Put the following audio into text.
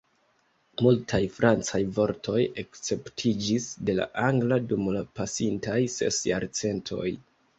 Multaj francaj vortoj akceptiĝis de la angla dum la pasintaj ses jarcentoj.